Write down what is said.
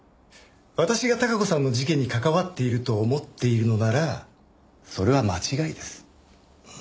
私が孝子さんの事件に関わっていると思っているのならそれは間違いです。